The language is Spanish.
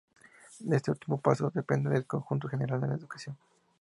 De este último pasó a depender el Consejo General de Educación.